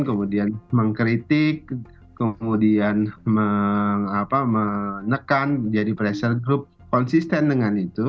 kemudian mengkritik kemudian menekan menjadi pressure group konsisten dengan itu